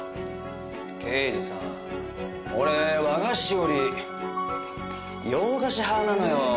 刑事さん俺和菓子より洋菓子派なのよ。